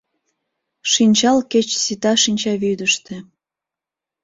Шинчал кеч сита шинчавӱдыштӧ